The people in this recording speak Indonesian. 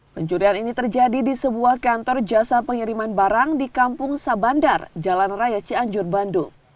pencurian ini terjadi di sebuah kantor jasa pengiriman barang di kampung sabandar jalan raya cianjur bandung